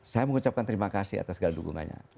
saya mengucapkan terima kasih atas segala dukungannya